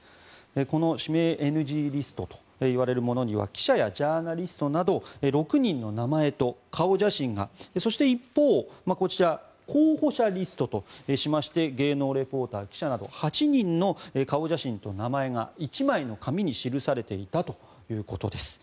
この指名ＮＧリストといわれるものには記者やジャーナリストなど６人の名前と顔写真がそして一方こちら、候補者リストとしまして芸能リポーター、記者など８人の顔写真と名前が１枚の紙に記されていたということです。